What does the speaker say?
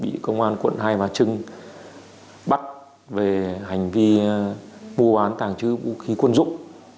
bị công an quận hai bà trưng bắt về hành vi mua bán tàng trữ vũ khí quân dụng